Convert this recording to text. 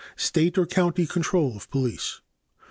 State or county control of police.